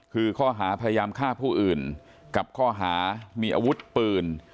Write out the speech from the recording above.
คือข้อหาพยายามฆ่าผู้อื่นกับข้อหามีอาวุธปืน